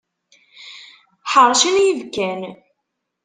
Ḥeṛcen yibekkan.